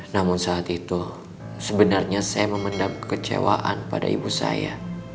namun saat itu sebenarnya saya memendam kekecewaan pada ibu saya